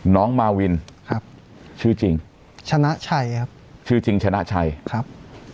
น้องมาวินครับชื่อจริงชนะชัยครับชื่อจริงชนะชัยครับ